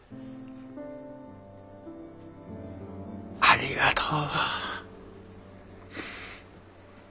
ありがとう。